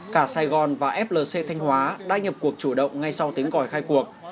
cả sài gòn và flc thanh hóa đã nhập cuộc chủ động ngay sau tiếng còi khai cuộc